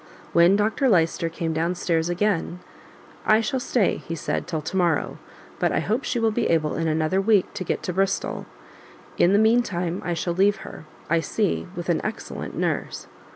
When Dr Lyster came down stairs again, "I shall stay," he said, "till to morrow, but I hope she will be able in another week to get to Bristol. In the mean time I shall leave her, I see, with an excellent nurse.